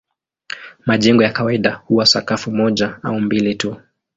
Majengo ya kawaida huwa sakafu moja au mbili tu.